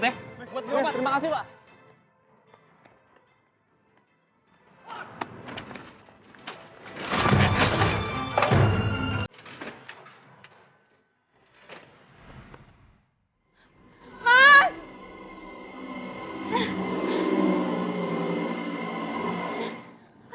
terima kasih pak